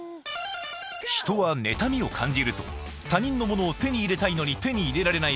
人は妬みを感じると他人のものを手に入れたいのに手に入れられない